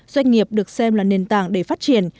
doanh nghiệp được xem là nền tảng để phát triển